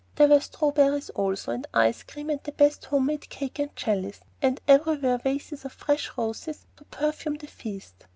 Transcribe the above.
There were strawberries, also, and ice cream, and the best of home made cake and jellies, and everywhere vases of fresh roses to perfume the feast.